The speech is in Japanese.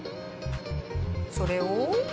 それを。